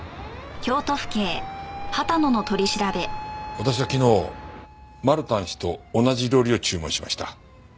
私は昨日マルタン氏と同じ料理を注文しました。